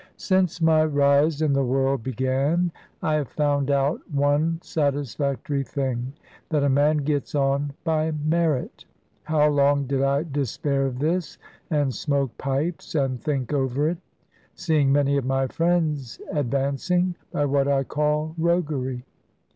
Since my rise in the world began, I have found out one satisfactory thing that a man gets on by merit. How long did I despair of this, and smoke pipes, and think over it; seeing many of my friends advancing, by what I call roguery!